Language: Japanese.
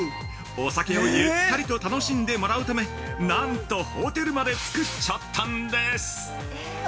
お酒をゆったりと楽しんでもらうためなんと、ホテルまでつくっちゃったんです！